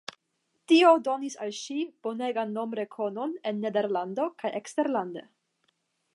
Tio donis al ŝi bonegan nomrekonon en Nederlando kaj eksterlande.